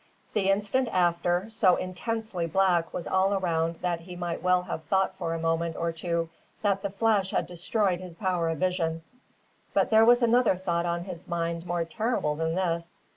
The instant after, so intensely black was all around that he might well have thought for a moment or two that the flash had destroyed his power of vision; but there was another thought on his mind more terrible than this.